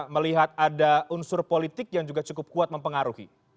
melihat ada unsur politik yang juga cukup kuat mempengaruhi